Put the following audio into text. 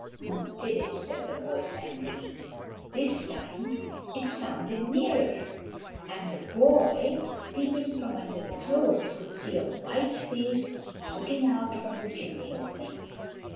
"Who did it?" said the voice angrily; this time it sounded nearer, and the boy, peeping from under the clothes, could see a white face looking out from the chimney opening.